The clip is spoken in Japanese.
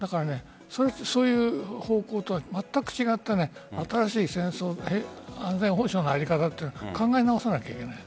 そういう方向とは全く違った新しい安全保障の在り方というのを考え直さなきゃいけない。